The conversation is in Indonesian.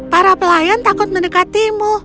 para pelayan takut mendekatimu